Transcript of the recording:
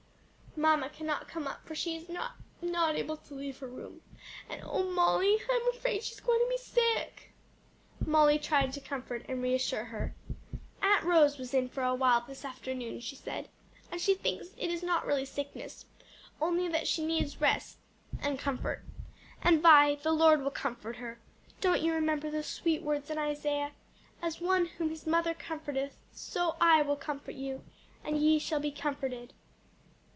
"Mamma cannot come up, for she is not not able to leave her room, and and O Molly, I'm afraid she's going to be sick!" Molly tried to comfort and reassure her. "Aunt Rose was in for a while this afternoon," she said, "and she thinks it is not really sickness, only that she needs rest and and comfort. And, Vi, the Lord will comfort her. Don't you remember those sweet words in Isaiah? 'As one whom his mother comforteth, so will I comfort you; and ye shall be comforted.'"